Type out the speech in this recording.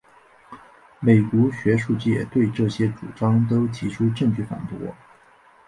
美国学术界对这些主张都提出证据反驳。